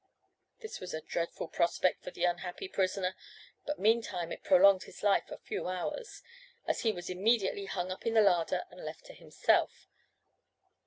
This was a dreadful prospect for the unhappy prisoner, but meantime it prolonged his life a few hours, as he was immediately hung up in the larder and left to himself.